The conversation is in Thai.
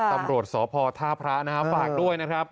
ตำรวจสภทพระนะฮะฝากด้วยนะครับ